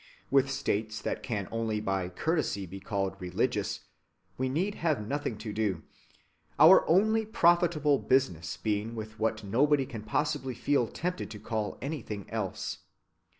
With states that can only by courtesy be called religious we need have nothing to do, our only profitable business being with what nobody can possibly feel tempted to call anything else.